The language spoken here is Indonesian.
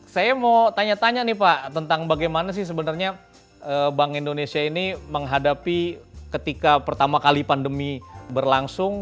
saya mau tanya tanya nih pak tentang bagaimana sih sebenarnya bank indonesia ini menghadapi ketika pertama kali pandemi berlangsung